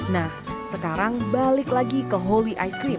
nah sekarang balik lagi ke holy ice cream